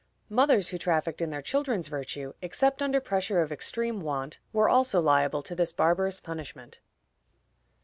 Mothers who trafficked in their children's virtue, except under pressure of extreme want, were also liable to this barbarous punishment.